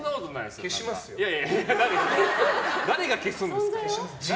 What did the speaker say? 誰が消すんですか。